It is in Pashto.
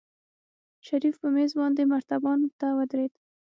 شريف په مېز باندې مرتبان ته ودرېد.